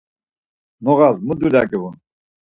Noğas mu dulya giğun?